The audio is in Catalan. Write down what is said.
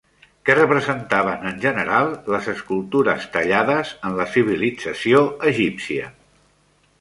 Què representaven en general les escultures tallades en la civilització egípcia?